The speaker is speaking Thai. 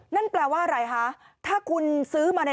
นั่นแปลว่าอะไรค่ะถ้างั้นมาในราคาสูงขนาดนี้